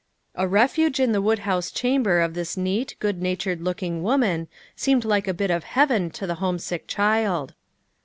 A refuge in the woodhouse chamber of this neat, good natured looking woman seemed like a bit of heaven to the homesick child.